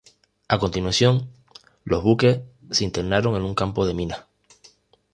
A continuación, los buques se internaron en un campo de minas.